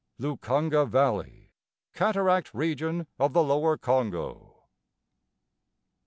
_Lukunga Valley, Cataract Region of the Lower Congo.